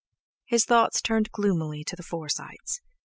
His thoughts turned gloomily to the Forsytes.